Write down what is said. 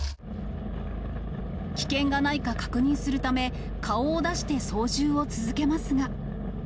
危険がないか確認するため、顔を出して操縦を続けますが。